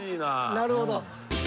なるほど。